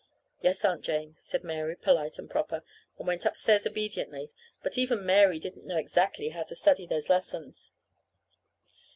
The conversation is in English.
"Yes, Aunt Jane," said Mary, polite and proper, and went upstairs obediently; but even Mary didn't know exactly how to study those lessons.